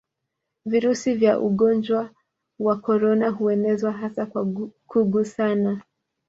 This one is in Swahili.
Virusi vya ugonnjwa wa korona huenezwa hasa kwa kugusana